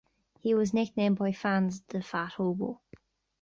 He was nicknamed by fans the Fat Hobo.